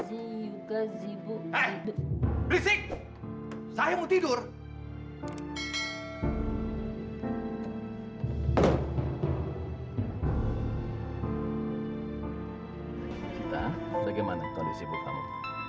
sita bagaimana kalau disibuk kamu